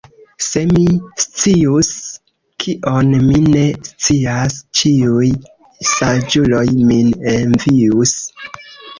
Se mi scius, kion mi ne scias, ĉiuj saĝuloj min envius.